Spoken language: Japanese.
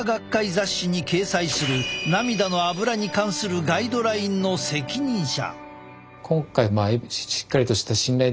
雑誌に掲載する涙のアブラに関するガイドラインの責任者。